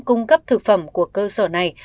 cung cấp thực phẩm của cơ sở này